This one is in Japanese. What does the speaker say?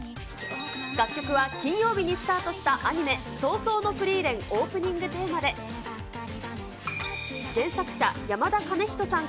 楽曲は金曜日にスタートしたアニメ、葬送のフリーレン、オープニングテーマで、原作者、山田鐘人さん